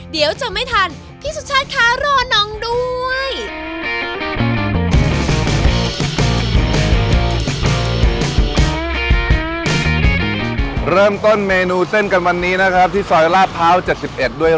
เดี๋ยวจะไม่ทันพี่สุชาติคะรอน้องด้วย